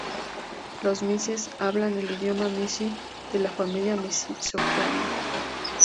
Los mixes hablan el idioma mixe, de la familia mixe-zoqueana.